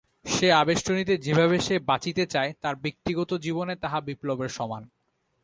সে আবেষ্টনীতে যেভাবে সে বাচিতে চায় তার ব্যক্তিগত জীবনে তাহা বিপ্লবের সমান।